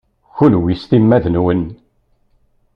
Kunwi s timmad-nwen.